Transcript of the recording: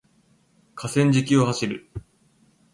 河川敷を走る